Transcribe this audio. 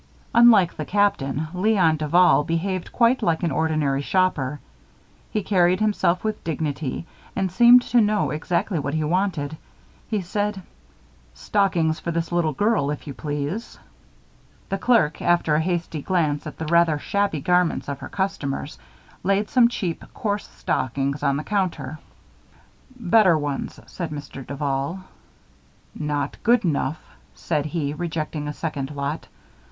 Unlike the Captain, Léon Duval behaved quite like an ordinary shopper. He carried himself with dignity and seemed to know exactly what he wanted. He said: "Stockings for this little girl, if you please." The clerk, after a hasty glance at the rather shabby garments of her customers, laid some cheap, coarse stockings on the counter. "Better ones," said Mr. Duval. "Not good enough," said he, rejecting a second lot.